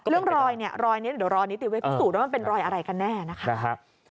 เรื่องรอยนี้เดี๋ยวรอยนี้ติดไว้พิสูจน์ว่ามันเป็นรอยอะไรกันแน่นะคะ